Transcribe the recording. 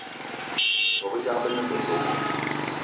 Bôbejang be ne metom